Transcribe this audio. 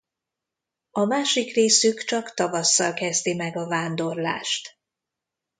A másik részük csak tavasszal kezdi meg a vándorlást.